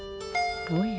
おや。